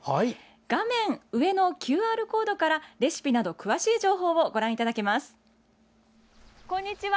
画面上のＱＲコードからレシピなど詳しい情報をご覧いただけます。